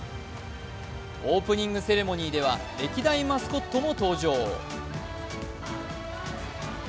オープニングセレモニーでは歴代マスコットも登場。